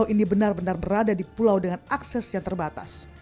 ini benar benar berada di pulau dengan akses yang terbatas